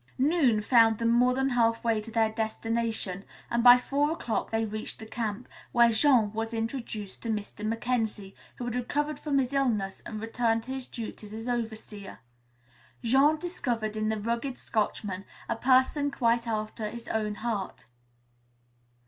Noon found them more than half way to their destination, and by four o'clock they reached the camp, where Jean was introduced to Mr. Mackenzie, who had recovered from his illness and returned to his duties as overseer. Jean discovered in the rugged Scotchman a person quite after his own heart.